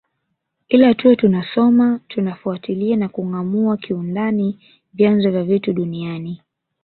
Ila tuwe tunasoma tunafuatilia na kungâamua kiundani vyanzo vya vitu duniani